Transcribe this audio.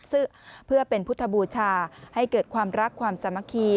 ซึ่งเพื่อเป็นพุทธบูชาให้เกิดความรักความสามัคคี